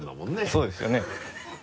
そうですよね。